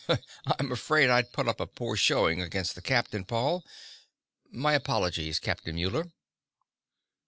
"I'm afraid I'd put up a poor showing against the captain, Paul. My apologies, Captain Muller."